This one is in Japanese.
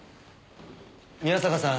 宮坂さん